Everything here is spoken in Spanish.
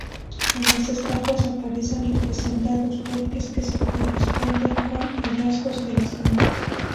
En las estatuas aparecen representados torques que se corresponden con hallazgos de la zona.